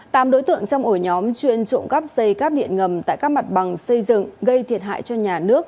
tám đối tượng trong ổ nhóm chuyên trộm cắp dây cắp điện ngầm tại các mặt bằng xây dựng gây thiệt hại cho nhà nước